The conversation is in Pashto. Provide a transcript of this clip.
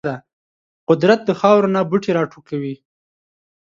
قدرت د خاورو نه بوټي راټوکوي.